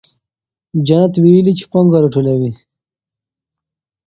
جینت ویلي چې پانګه راټولوي.